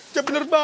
jangan bang baik